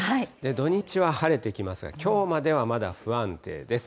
土日は晴れてきますが、きょうまではまだ不安定です。